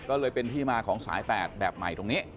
ก็เลยเป็นที่มาของสาย๘แบบใหม่ตรงนี้